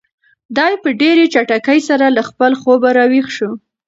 دی په ډېرې چټکۍ سره له خپل خوبه را ویښ شو.